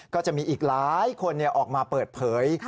ก็จะมีอีกหลายคนออกมาเปิดเผย